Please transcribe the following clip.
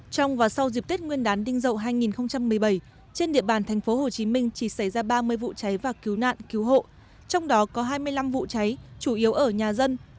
trong và sau dịp tết nguyên đán đinh dậu hai nghìn một mươi bảy trên địa bàn tp hcm chỉ xảy ra ba mươi vụ cháy và cứu nạn cứu hộ trong đó có hai mươi năm vụ cháy chủ yếu ở nhà dân